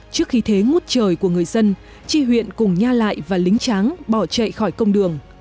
trước khi thế ngút trời của người dân tri huyện cùng nha lại và lính tráng bỏ chạy khỏi công đường